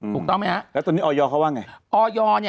ถูกต้องไหมครับแล้วตอนนี้ออยเขาว่าไง